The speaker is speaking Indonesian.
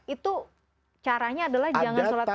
itu caranya adalah